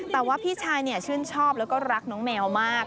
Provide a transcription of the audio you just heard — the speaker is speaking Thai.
แต่ว่าพี่ชายชื่นชอบแล้วก็รักน้องแมวมาก